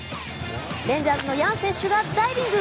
レンジャーズのヤン選手がダイビング。